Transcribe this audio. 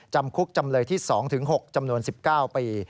จำคุกจำเลยที่๒๖จำนวน๑๙ปี